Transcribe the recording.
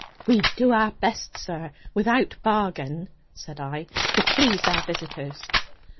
'We do our best, sir, without bargain,' said I, 'to please our visitors.'